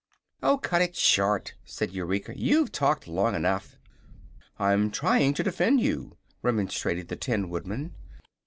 "Oh, cut it short," said Eureka; "you've talked long enough." "I'm trying to defend you," remonstrated the Tin Woodman.